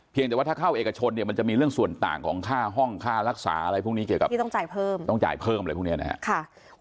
เพียงแต่ว่าถ้าเข้าเอกชนเนี่ยมันจะมีเรื่องส่วนต่างของค่าห้องค่ารักษาอะไรพวกนี้เกี่ยวกับต้องจ่ายเพิ่มอะไรพวกนี้นะค่ะ